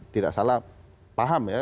tidak salah paham ya